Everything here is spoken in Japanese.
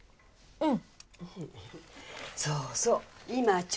うん。